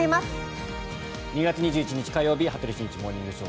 ２月２１日、火曜日「羽鳥慎一モーニングショー」。